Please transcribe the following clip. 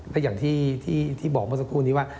ก็อย่างที่บอกเมื่อสักครู่นี้ว่า